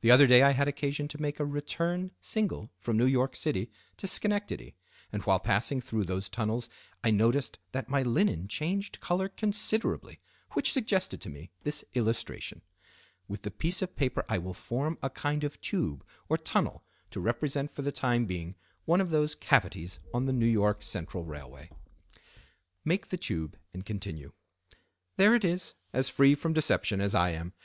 The other day I had occasion to take a return single from New York City to Schenectady; and while passing through those tunnels I noticed that my linen changed color considerably, which suggested to me this illustration. With the piece of paper I will form a kind of tube or tunnel to represent for the time being one of those cavities on the N. Y. Central railway." Make the tube and continue—"There it is, as free from deception as I am.